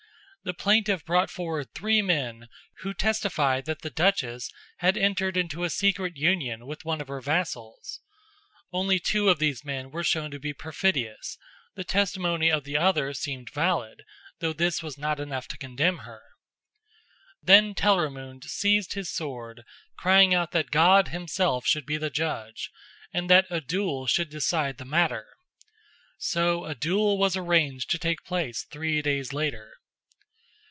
The plaintiff brought forward three men who testified that the duchess had entered into a secret union with one of her vassals. Only two of these men were shown to be perfidious; the testimony of the other seemed valid, though this was not enough to condemn her. Then Telramund seized his sword, crying out that God Himself should be the judge, and that a duel should decide the matter. So a duel was arranged to take place three days later.